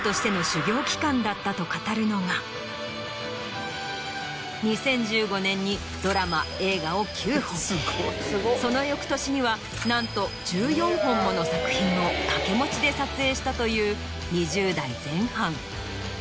だったと語るのが２０１５年にドラマ映画を９本その翌年にはなんと１４本もの作品を掛け持ちで撮影したという２０代前半。